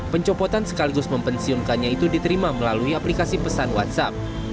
pencopotan sekaligus mempensiunkannya itu diterima melalui aplikasi pesan whatsapp